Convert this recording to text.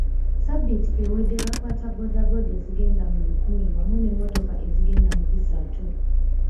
Ssabbiiti ewedde baakwata boda boda ezigenda mu lukumi wamu ne motoka ezigenda mu bisatu.